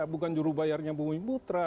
bukan jurubayarnya bumi putra